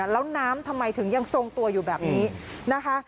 แล้วน้ำทำไมถึงยังทรงตัวอยู่แบบนี้นะคะ